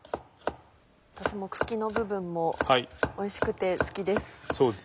私も茎の部分もおいしくて好きです。